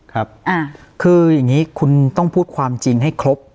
ครับคืออย่างนี้คุณต้องพูดความจริงให้ครบ